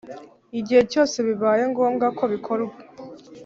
igihe cyose bibaye ngombwa ko bikorwa